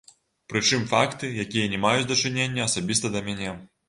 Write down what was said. Прычым факты, якія не маюць дачынення асабіста да мяне.